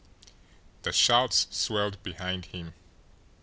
The shouts swelled behind him.